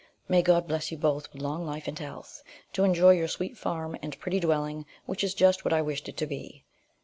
May God bless you both with long life and health, to enjoy your sweet farm, and pretty dwelling, which is just what I wished it to be.